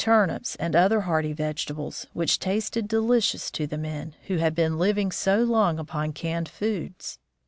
turnips and other hardy vegetables, which tasted delicious to the men, who had been living so long upon canned foods.